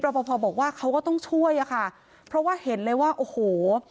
พอพอบอกว่าเขาก็ต้องช่วยอะค่ะเพราะว่าเห็นเลยว่าโอ้โห